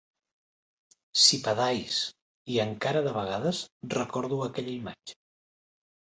Sipadais" i encara de vegades recordo aquella imatge.